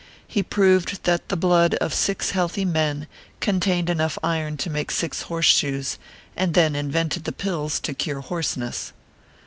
He proved that the blood of six healthy men contained enough iron to make six horse shoes, and then invented the pills to cure hoarseness.